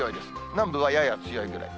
南部はやや強いぐらい。